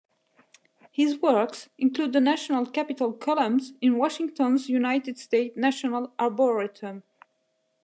His works include the National Capitol Columns in Washington's United States National Arboretum.